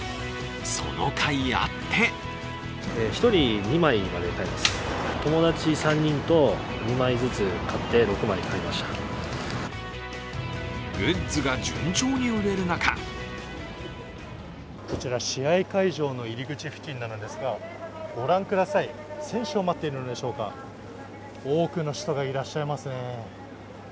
そのかいてあってグッズが順調に売れる中こちら、試合会場の入り口付近なのですがご覧ください、選手を待っているのでしょうか、多くの人がいらっしゃいますね。